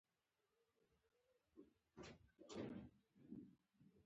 افریقایي متل وایي هوښیاري په میراث نه ده.